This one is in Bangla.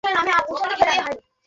আল্লাহ্ তাআলাই অধিক পরিজ্ঞাত।